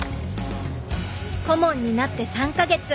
顧問になって３か月。